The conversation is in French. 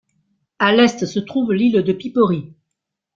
À l'est se trouve l'île de Piperi.